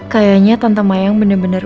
kayaknya tante mayang bener bener